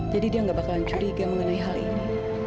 jadi dia gak bakalan curiga mengenai hal ini